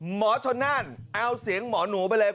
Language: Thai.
หมอชนนั่นเอาเสียงหมอหนูไปเลย